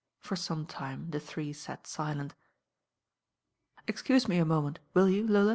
For som time the three sat silent. "Excuse me a moment, will you, LoFa?